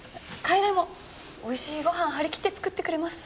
楓もおいしいご飯張り切って作ってくれます。